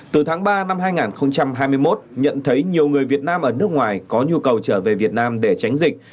từ tháng ba năm hai nghìn hai mươi một nhận thấy nhiều người việt nam ở nước ngoài có nhu cầu trở về việt nam để tránh dịch